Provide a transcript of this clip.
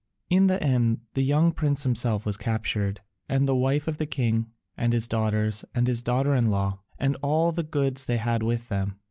In the end the young prince himself was captured, and the wife of the king, and his daughters, and his daughter in law, and all the goods they had with them.